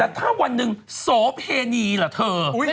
แต่ถ้าวันหนึ่งโสเพณีล่ะเธอ